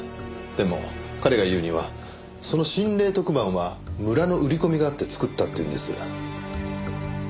でも彼が言うにはその心霊特番は村の売り込みがあって作ったっていうんです。